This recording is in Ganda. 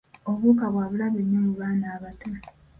Obuwuka bwa bulabe nnyo mu baana abato.